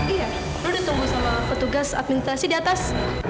iya lo udah tunggu sama petugas administrasi di atas